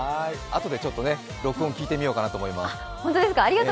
あとで録音聴いてみようかなと思います。